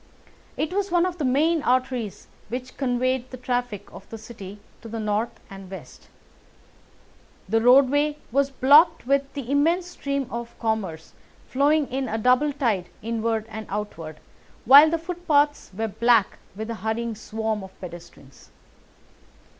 It was one of the main arteries which conveyed the traffic of the City to the north and west. The roadway was blocked with the immense stream of commerce flowing in a double tide inward and outward, while the footpaths were black with the hurrying swarm of pedestrians.